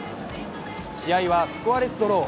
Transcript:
試合はスコアレスドロー。